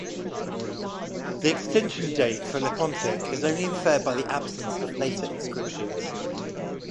The extinction date for Lepontic is only inferred by the absence of later inscriptions.